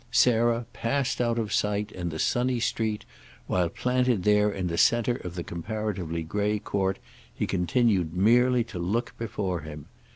Sarah passed out of sight in the sunny street while, planted there in the centre of the comparatively grey court, he continued merely to look before him.